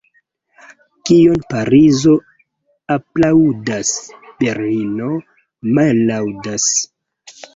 Kion Parizo aplaŭdas, Berlino mallaŭdas.